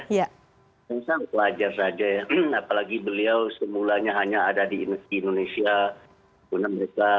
saya rasa wajar saja ya apalagi beliau semulanya hanya ada di indonesia